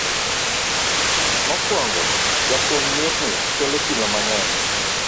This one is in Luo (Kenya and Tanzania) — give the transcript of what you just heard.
Mokwongo, jakuny mirni kelo chilo mang'eny